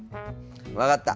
分かった！